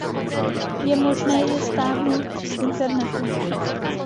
Je možné je stáhnout z internetu.